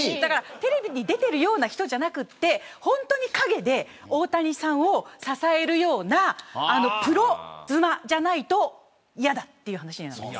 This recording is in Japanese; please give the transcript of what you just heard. テレビに出るような人じゃなくて、本当に陰で大谷さんを支えるようなプロ妻じゃないと嫌だという話です。